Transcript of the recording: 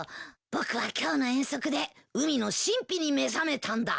僕は今日の遠足で海の神秘に目覚めたんだ。